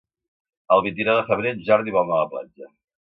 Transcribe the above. El vint-i-nou de febrer en Jordi vol anar a la platja.